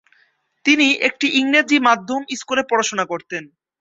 তিনি একটি ইংরেজি মাধ্যম স্কুলে পড়াশোনা করতেন।